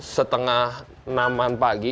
setengah enam pagi